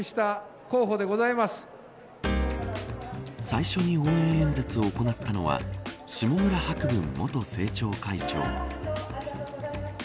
最初に応援演説を行ったのは下村博文元政調会長。